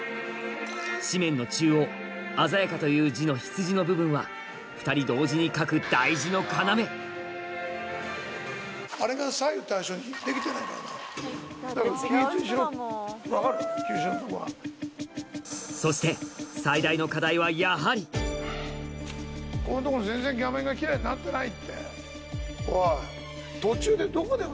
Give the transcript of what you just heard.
紙面の中央鮮やかという字の羊の部分は２人同時に書くそしてやはりこういう所全然画面がキレイになってないって。